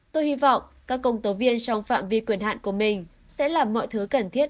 tôi hy vọng các công tố viên trong phạm vi quyền hạn của mình sẽ làm mọi thứ cần thiết